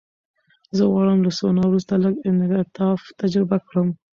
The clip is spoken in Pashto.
زه غواړم له سونا وروسته لږ انعطاف تجربه کړم.